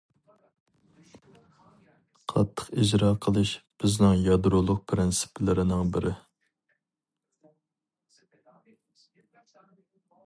قاتتىق ئىجرا قىلىش بىزنىڭ يادرولۇق پىرىنسىپلىرىنىڭ بىرى.